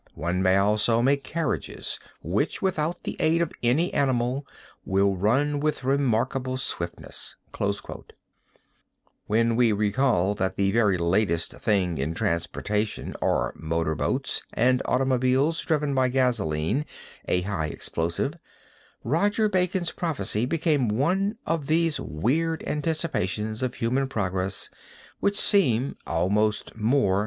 One may also make carriages which without the aid of any animal will run with remarkable swiftness." [Footnote 5] When we recall that the very latest thing in transportation are motor boats and automobiles driven by gasoline, a high explosive, Roger Bacon's prophesy becomes one of these weird anticipations of human progress which seem almost more than human.